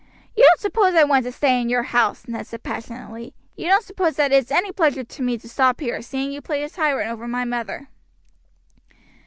"You don't suppose I want to stay in your house," Ned said passionately. "You don't suppose that it's any pleasure to me to stop here, seeing you play the tyrant over my mother."